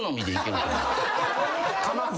かまず？